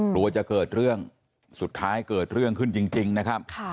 กลัวจะเกิดเรื่องสุดท้ายเกิดเรื่องขึ้นจริงนะครับ